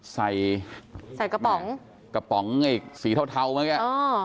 ใส่กระป๋องสีเทาเมื่อกี้